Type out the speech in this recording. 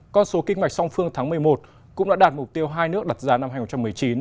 con số kinh mạch song phương tháng một mươi một cũng đã đạt mục tiêu hai nước đặt ra năm hai nghìn một mươi chín